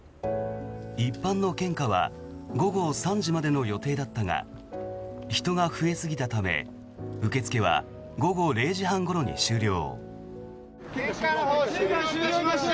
一般の献花は午後３時までの予定だったが人が増えすぎたため受け付けは午後０時半ごろに終了。